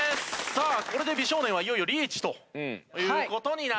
さあこれで美少年はいよいよリーチという事になりました。